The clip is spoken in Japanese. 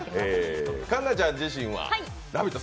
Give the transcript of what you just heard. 環奈ちゃん自身は「ラヴィット！」